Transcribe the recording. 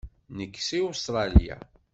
Nekk seg Ustṛalya.